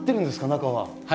中は。